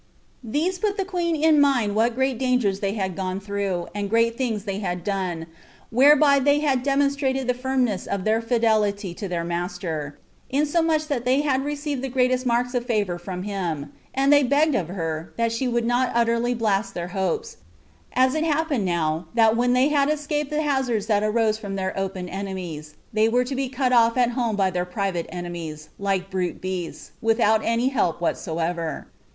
These put the queen in mind what great dangers they had gone through, and great things they had done, whereby they had demonstrated the firmness of their fidelity to their master, insomuch that they had received the greatest marks of favor from him; and they begged of her, that she would not utterly blast their hopes, as it now happened, that when they had escaped the hazards that arose from their [open] enemies, they were to be cut off at home by their [private] enemies, like brute beasts, without any help whatsoever.